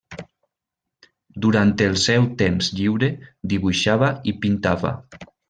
Durant el seu temps lliure, dibuixava i pintava.